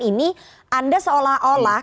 ini anda seolah olah